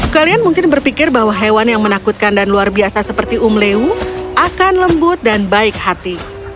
kalian mungkin berpikir bahwa hewan yang menakutkan dan luar biasa seperti umleu akan lembut dan baik hati